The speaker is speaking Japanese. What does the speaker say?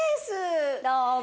どうも。